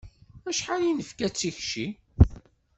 Acḥal i nefka d tikci?